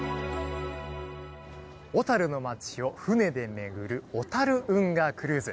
小樽の街を船で巡る小樽運河クルーズ。